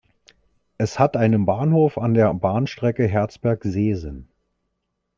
Es hat einen Bahnhof an der Bahnstrecke Herzberg–Seesen.